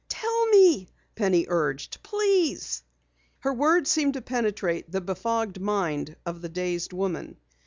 "Tell me," Penny urged. "Please." Her words seemed to penetrate the befogged mind of the dazed woman.